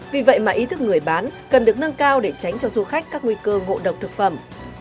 vì vậy mà ý thức người bán cần được nâng cao để tránh cho du khách các nguy cơ ngộ độc thực phẩm